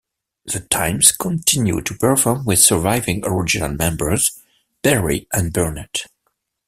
The Tymes continue to perform with surviving original members Berry and Burnett.